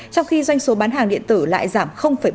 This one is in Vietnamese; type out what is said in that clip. trong khi doanh số bán hàng điện tử lại giảm bốn